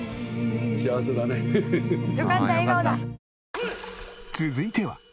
よかった笑顔だ。